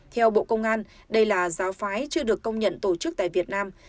theo bộ công an đây là giáo phái chưa được công nhận tổ chức tại việt nam